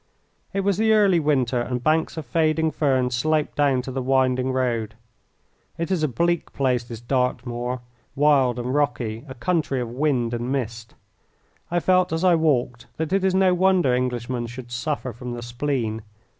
It was the early winter, and banks of fading fern sloped down to the winding road. It is a bleak place this Dartmoor, wild and rocky a country of wind and mist. I felt as I walked that it is no wonder Englishmen should suffer from the spleen.